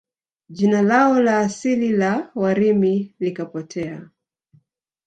Jina lao la asili la Warimi likapotea